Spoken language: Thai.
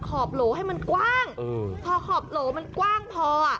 ขอบโหลให้มันกว้างพอขอบโหลมันกว้างพออ่ะ